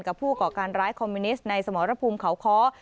ผู้ก่อการร้ายคอมมิวนิสต์ในสมรภูมิเขาค้อ